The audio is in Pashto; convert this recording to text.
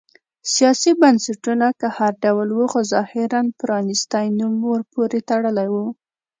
سیاسي بنسټونه که هر ډول و خو ظاهراً پرانیستی نوم ورپورې تړلی و.